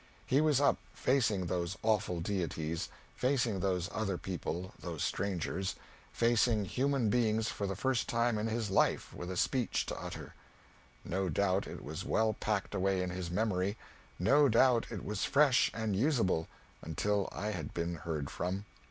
He was up facing those awful deities facing those other people, those strangers facing human beings for the first time in his life, with a speech to utter. No doubt it was well packed away in his memory, no doubt it was fresh and usable, until I had been heard from.